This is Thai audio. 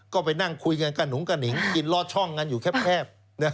ก็ไปนั่งคุยกันกระหนุงกระหนิงกินลอดช่องกันอยู่แคบ